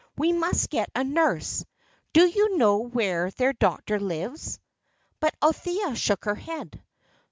We must get a nurse. Do you know where their doctor lives?" But Althea shook her head.